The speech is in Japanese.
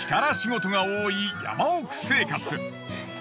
力仕事が多い山奥生活。